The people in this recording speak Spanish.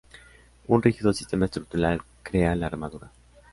Un rígido sistema estructural crea la armadura.